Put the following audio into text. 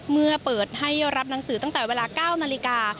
เมื่อเปิดให้รับหนังสือตั้งแต่เวลา๙นาฬิกา